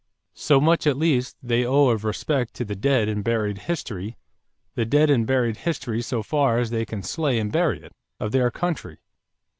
So much at least they owe of respect to the dead and buried history the dead and buried history so far as they can slay and bury it of their country."